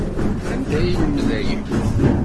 Anda ay yelmed aya?